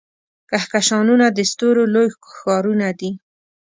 کهکشانونه د ستورو لوی ښارونه دي.